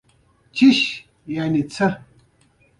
نو پرېکړه مو په قره کشۍ وکړه.